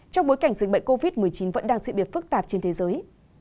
trong bối cảnh dịch bệnh covid một mươi chín vẫn đang diễn biệt phức tạp trên thế giới